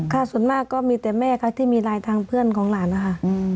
ส่วนมากก็มีแต่แม่ค่ะที่มีไลน์ทางเพื่อนของหลานนะคะ